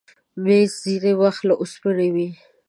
مېز ځینې وخت له اوسپنې وي.